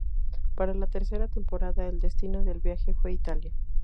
Para la tercera temporada, el destino del viaje fue Italia.